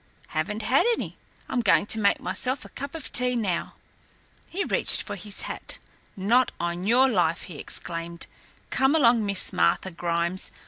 "Haven't had any. I'm going to make myself a cup of tea now." He reached for his hat. "Not on your life" he exclaimed. "Come along, Miss Martha Grimes.